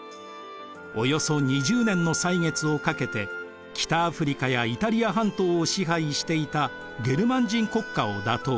およそ２０年の歳月をかけて北アフリカやイタリア半島を支配していたゲルマン人国家を打倒。